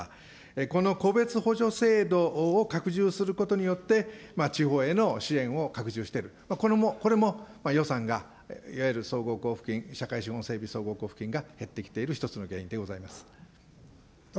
この個別補助制度を拡充することによって、地方への支援を拡充している、これも予算が、いわゆる総合交付金、社会資本整備総合交付金が減ってきている一つの原因でございます。